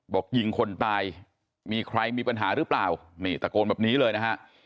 บอกยิงคนตายมีใครมีปัญหาหรือเปล่านี่ตะโกนแบบนี้เลยนะฮะ